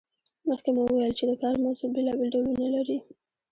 مخکې مو وویل چې د کار موضوع بیلابیل ډولونه لري.